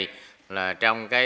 trong các nội dung này